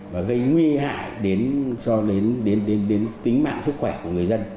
và gây nguy hại đến tính mạng sức khỏe của người dân